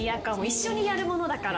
一緒にやるものだから。